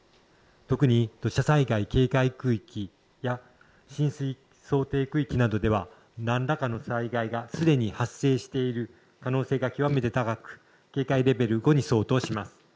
特に土砂災害警戒区域や浸水想定区域などでは何らかの災害がすでに発生している可能性が極めて高く警戒レベル５に相当します。